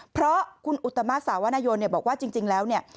เพราะคุณอุตมาสาวนายนบอกว่าจริงแล้วเนี่ย